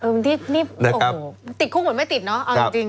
มันที่นี่โอ้โหติดคุกเหมือนไม่ติดเนอะเอาจริง